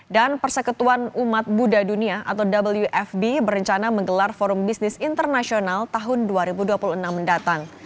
dan persekutuan umat budha dunia atau wfb berencana menggelar forum bisnis internasional tahun dua ribu dua puluh enam mendatang